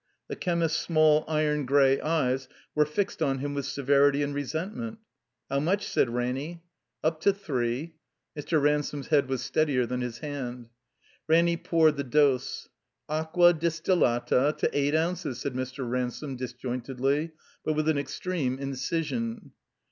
The chemist's small, iron gray eyes were fixed on him with severity and resentment. "How much?" said Ranny. 39 THE COMBINED MAZE '*Up to three." Mr. Ransome's head was steadier than his hand. Ranny poured the dose. "Ac acqua distillata — ^to eight ounces," said Mr. Ransome, disjointedly, but with an extreme incision.